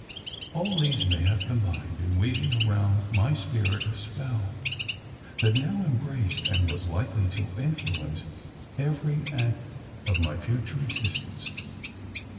All these may have combined in weaving around my spirit a spell, that now embraced, and was likely to influence, every act of my future existence.